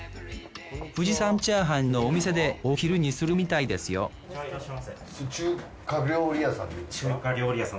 富士山チャーハンのお店でお昼にするみたいですよいらっしゃいませ。